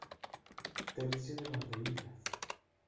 Tercio de banderillas.